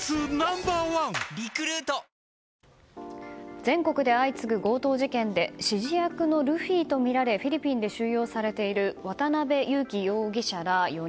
全国で相次ぐ強盗事件で指示役のルフィとみられフィリピンで収容されている渡辺優樹容疑者ら４人。